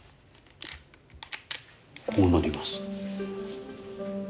こうなります。